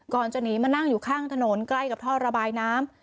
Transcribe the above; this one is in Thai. ก่อนจะหนีมานั่งอยู่ข้างถนนใกล้กับท่อระบายน้ำ